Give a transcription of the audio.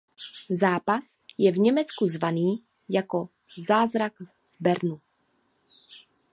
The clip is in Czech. Zápas je v Německu známý jako Zázrak v Bernu.